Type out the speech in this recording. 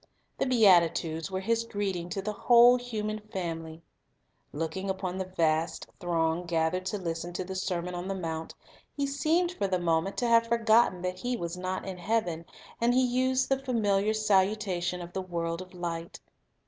The beatitudes were His greeting to the whole human family. Looking upon the vast throng gathered to listen to the sermon on the mount, He seemed for the moment to have forgotten that He was not in heaven, and He used the familiar salutation of the world of light.